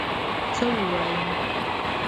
څه ووایم؟!